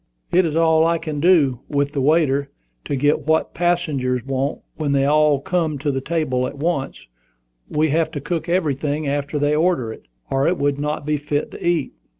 "It is all I can do, with the waiter, to get what the passengers want when they all come to the table at once. We have to cook everything after they order it, or it would not be fit to eat."